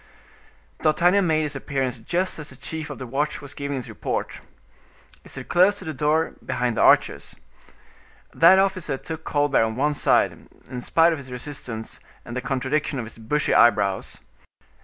D'Artagnan made his appearance just as the chief of the watch was giving his report. He stood close to the door, behind the archers. That officer took Colbert on one side, in spite of his resistance and the contradiction of his bushy eyebrows.